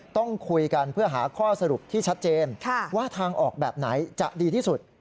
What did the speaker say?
ต้องคุยกันเพื่อหาข้อสรุปที่ชัดเจนว่าทางออกแบบไหนจะดีที่สุด